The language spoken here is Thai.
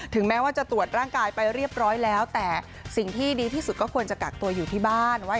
แม้ว่าจะตรวจร่างกายไปเรียบร้อยแล้วแต่สิ่งที่ดีที่สุดก็ควรจะกักตัวอยู่ที่บ้านว่า